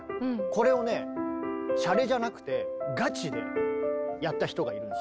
これをねしゃれじゃなくてガチでやった人がいるんです。